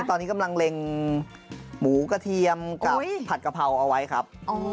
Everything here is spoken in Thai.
ตอนนี้กำลังเล็งหมูกระเทียมกับผัดกะเพราเอาไว้ครับ